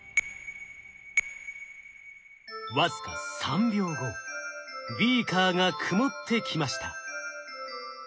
僅か３秒後ビーカーが曇ってきました。